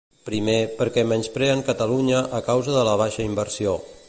Primer, perquè menyspreen Catalunya a causa de la baixa inversió.